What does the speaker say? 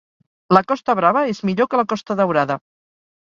La Costa Brava és millor que la Costa Daurada.